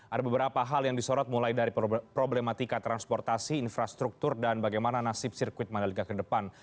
ada beberapa hal yang disorot mulai dari problematika transportasi infrastruktur dan bagaimana nasib sirkuit mandalika ke depan